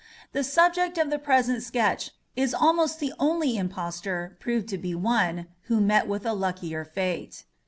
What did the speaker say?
The subject of the present sketch is almost the only impostor, proved to be one, who met with a luckier fate.